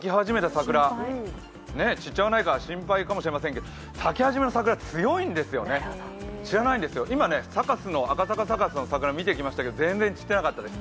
桜散っちゃわないか心配かもしれないですけど、咲き始めの桜、強いんですよね、今、赤坂サカスの桜を見てきましたけど、全然散っていなかったです。